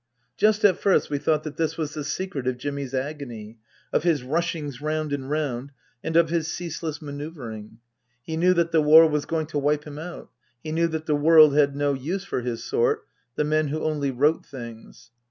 Just at first we thought that this was the secret of Jimmy's agony, of his rushings round and round, and of his ceaseless manoeuvring. He knew that the War was going to wipe him out ; he knew that the world had no use for his sort, the men who only wrote things.